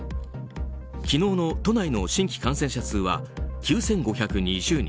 昨日の都内の新規感染者数は９５２０人。